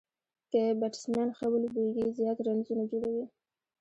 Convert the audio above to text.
که بيټسمېن ښه ولوبېږي، زیات رنزونه جوړوي.